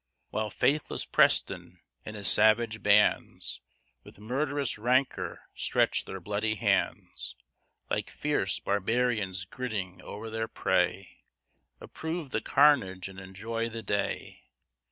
While faithless Preston and his savage bands, With murderous rancor stretch their bloody hands; Like fierce barbarians grinning o'er their prey, Approve the carnage and enjoy the day.